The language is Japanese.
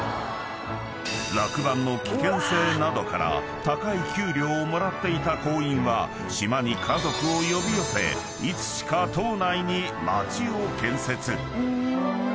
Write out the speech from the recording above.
［落盤の危険性などから高い給料をもらっていた鉱員は島に家族を呼び寄せいつしか島内に街を建設］